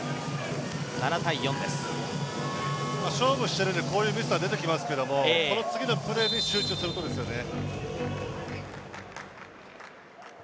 勝負しているのでこういうミスは出てきますけれども、この次のプレーに集中することですよね。